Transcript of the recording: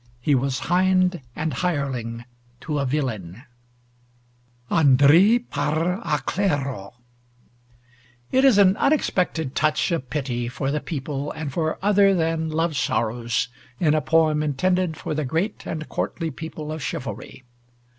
He was hind and hireling to a villein, [Greek text] It is an unexpected touch of pity for the people, and for other than love sorrows, in a poem intended for the great and courtly people of chivalry.